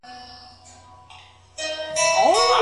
ولي کوښښ کوونکی د پوه سړي په پرتله خنډونه ماتوي؟